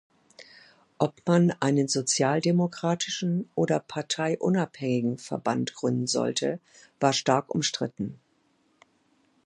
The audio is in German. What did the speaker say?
Ob man einen sozialdemokratischen oder parteiunabhängigen Verband gründen sollte, war stark umstritten.